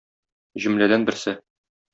Җөмләдән берсе.